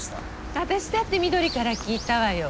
私だって翠から聞いたわよ。